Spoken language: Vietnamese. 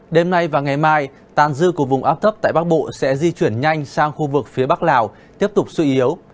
đêm nay và ngày mai tàn dư của vùng áp thấp tại bắc bộ sẽ di chuyển nhanh sang khu vực phía bắc lào tiếp tục suy yếu